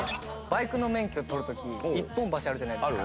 バイクの免許取る時一本橋あるじゃないですか。